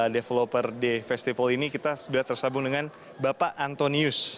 developer di festival ini kita sudah tersabung dengan bapak antonius